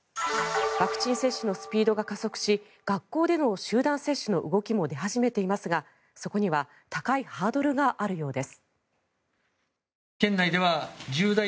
ワクチン接種のスピードが加速し学校での集団接種の動きも出始めていますがそこには高いハードルがあるようです。